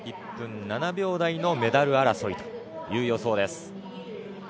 １分７秒台のメダル争いという予想です。